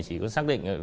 chỉ có xác định